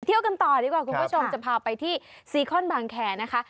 กันต่อดีกว่าคุณผู้ชมจะพาไปที่ซีคอนบางแคร์นะคะ